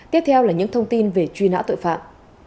tiếp theo là những thông tin về truy nã tội phạm